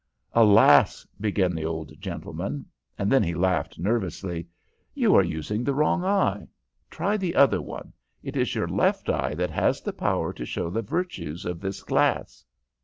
"'Alas!' began the old gentleman; and then he laughed, nervously. 'You are using the wrong eye. Try the other one. It is your left eye that has the power to show the virtues of this glass.'